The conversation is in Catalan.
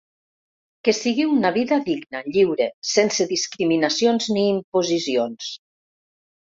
Que sigui una vida digna, lliure, sense discriminacions ni imposicions.